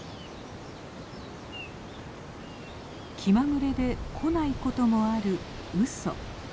気まぐれで来ないこともあるウソ。